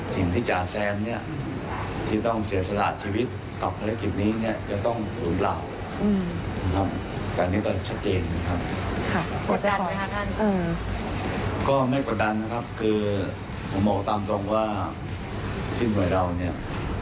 สิ่งที่จาแซมเนี่ยที่ต้องเสียสละหัดชีวิตต่อคาลิกภัณฑ์นี้จะต้องหลุ่นซูอาญ